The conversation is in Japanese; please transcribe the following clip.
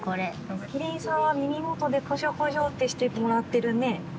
キリンさんは耳元でコショコショってしてもらってるね。